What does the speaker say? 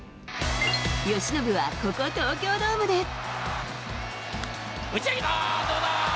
由伸は、ここ東京ドームで。